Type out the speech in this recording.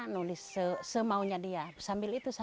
nulis semaunya dia